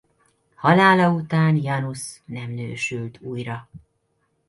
Halála után Janus nem nősült újra.